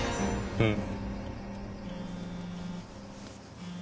うん。